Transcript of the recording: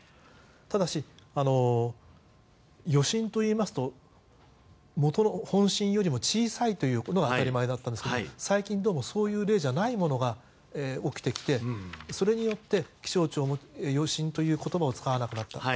ただし、余震といいますと元の本震よりも小さいということが当たり前だったんですが最近、どうもそういう例じゃないものが起きてきて、それによって気象庁も余震という言葉を使わなくなった。